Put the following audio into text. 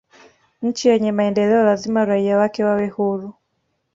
nchi yenye maendeleo lazima raia wake wawe huru